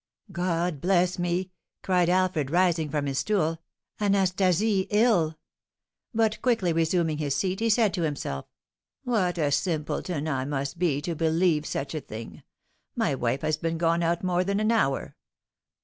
"God bless me!" cried Alfred, rising from his stool. "Anastasie ill!" But, quickly resuming his seat, he said to himself, "What a simpleton I must be to believe such a thing! My wife has been gone out more than an hour!